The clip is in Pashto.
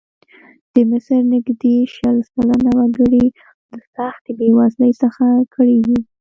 د مصر نږدې شل سلنه وګړي له سختې بېوزلۍ څخه کړېږي.